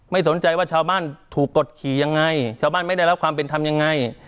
ไม่สนใจว่าชาวบ้านถูกกดขี่ยังไงชาวบ้านไม่ได้รับความเป็นธรรมยังไง